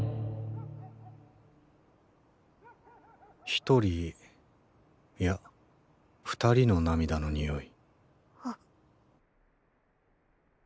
１人いや２人の涙の匂い。